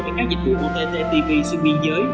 về các dịch vụ ott tv xuyên biên giới